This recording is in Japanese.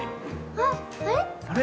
あっあれ？